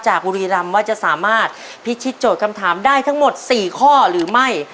บุรีรำว่าจะสามารถพิชิตโจทย์คำถามได้ทั้งหมด๔ข้อหรือไม่